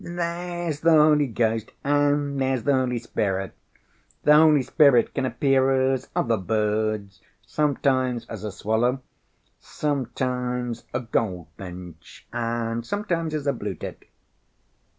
"There's the Holy Ghost and there's the Holy Spirit. The Holy Spirit can appear as other birds—sometimes as a swallow, sometimes a goldfinch and sometimes as a blue‐tit."